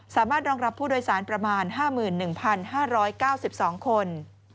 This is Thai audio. สามารถรองรับผู้โดยสารประมาณ๕๑๕๙๒คน